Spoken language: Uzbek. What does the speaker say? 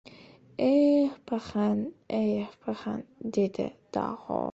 — Eh, paxan, eh, paxan! — dedi Daho.